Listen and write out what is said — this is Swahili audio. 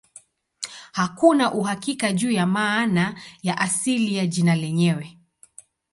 Hakuna uhakika juu ya maana ya asili ya jina lenyewe.